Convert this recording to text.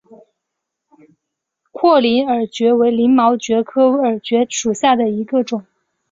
阔鳞耳蕨为鳞毛蕨科耳蕨属下的一个种。